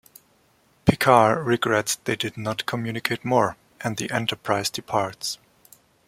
Picard regrets they did not communicate more, and the "Enterprise" departs.